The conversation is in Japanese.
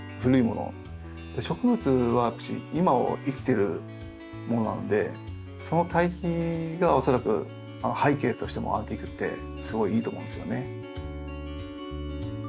植物はやっぱし今を生きてるものなのでその対比が恐らく背景としてもアンティークってすごいいいと思うんですよね。